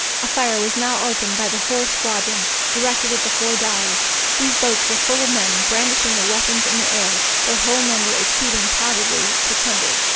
A fire was now opened by the whole squadron, directed to the four dows. These boats were full of men, brandishing their weapons in the air, their whole number exceeding, probably, six hundred.